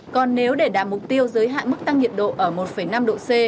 còn nếu để đạt mục tiêu giới hạn mức tăng nhiệt độ ở một năm độ c